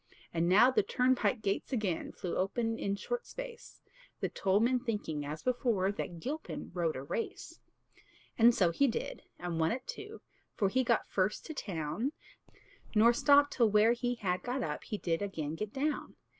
And now the turnpike gates again Flew open in short space; The toll men thinking, as before, That Gilpin rode a race. And so he did, and won it too, For he got first to town; Nor stopped till where he had got up He did again get down.